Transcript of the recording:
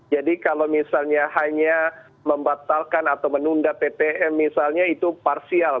jadi kalau misalnya hanya membatalkan atau menunda ptm misalnya itu parsial